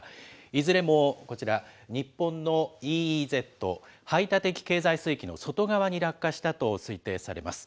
いずれもこちら、日本のＥＥＺ・排他的経済水域の外側に落下したと推定されます。